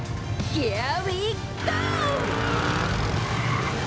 ヒアウィーゴー！